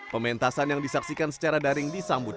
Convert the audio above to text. pementasan yang disaksikan secara daring disambut